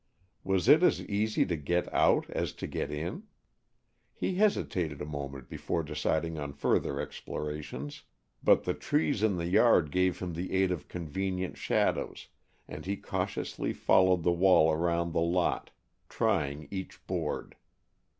Was it as easy to get out as to get in? He hesitated a moment before deciding on further explorations, but the trees in the yard gave him the aid of convenient shadows, and he cautiously followed the wall around the lot, trying each board.